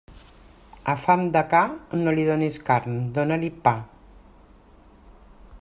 A fam de ca, no li donis carn, dóna-li pa.